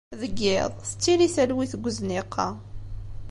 Deg yiḍ, tettili talwit deg uzniq-a.